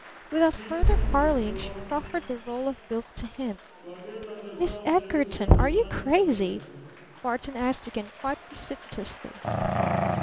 Without further parleying she proffered the roll of bills to him. "Miss Edgarton! Are you crazy?" Barton asked again quite precipitously.